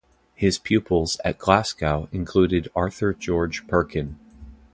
His pupils at Glasgow included Arthur George Perkin.